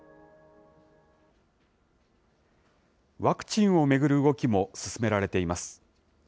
ワクチンを巡る動きも進められています。